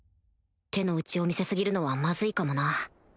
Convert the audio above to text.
手の内を見せ過ぎるのはマズいかもな